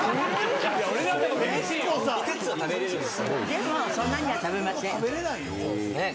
でもそんなには食べません。